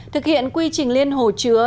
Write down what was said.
thực hiện quy trình liên hồ chứa